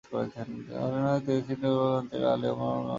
হরিয়ানার তেহসিল-হোডাল অঞ্চলের আলি ব্রাহ্মণ গ্রামে এই মন্দির অবস্থিত।